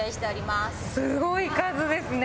すごい数ですね。